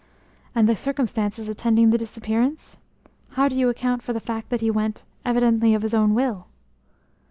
"And the circumstances attending the disappearance? How do you account for the fact that he went, evidently of his own will?"